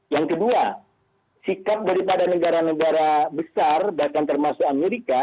yang kedua sikap daripada negara negara besar bahkan termasuk amerika